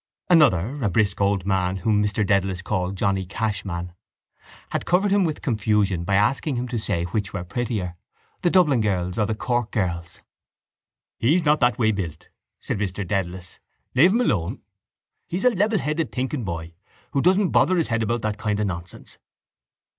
_ Another, a brisk old man, whom Mr Dedalus called Johnny Cashman, had covered him with confusion by asking him to say which were prettier, the Dublin girls or the Cork girls. —He's not that way built, said Mr Dedalus. Leave him alone. He's a levelheaded thinking boy who doesn't bother his head about that kind of nonsense.